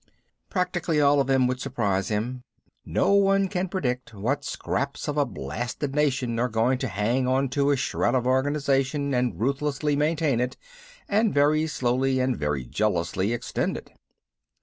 Practically all of them would surprise him no one can predict what scraps of a blasted nation are going to hang onto a shred of organization and ruthlessly maintain it and very slowly and very jealously extend it.